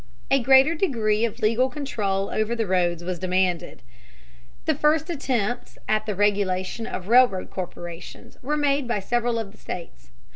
A greater degree of legal control over the roads was demanded. The first attempts at the regulation of railroad corporations were made by several of the states.